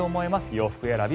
洋服選び